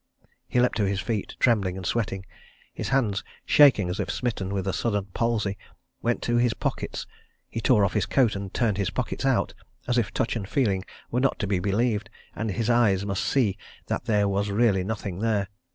He leapt to his feet, trembling and sweating. His hands, shaking as if smitten with a sudden palsy, went to his pockets he tore off his coat and turned his pockets out, as if touch and feeling were not to be believed, and his eyes must see that there was really nothing there.